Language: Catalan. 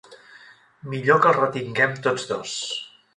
Millor que els retinguem tots dos.